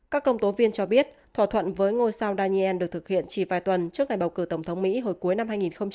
các công tố viên cho biết thỏa thuận với ngôi sao daniel được thực hiện chỉ vài tuần trước ngày bầu cử tổng thống mỹ hồi cuối năm hai nghìn một mươi năm